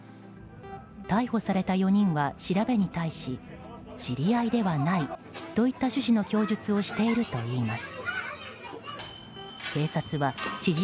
逮捕された４人は調べに対し知り合いではないといった趣旨の供述をしているといいます。